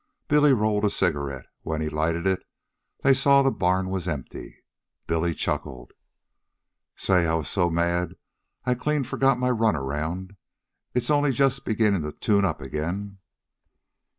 Billy rolled a cigarette. When he lighted it, they saw the barn was empty. Billy chuckled. "Say, I was so mad I clean forgot my run around. It's only just beginnin' to tune up again."